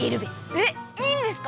えっいいんですか？